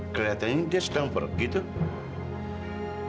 keliatannya dia sudah pergi tuh